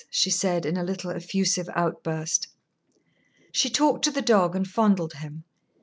she said, in a little, effusive outburst. She talked to the dog and fondled him.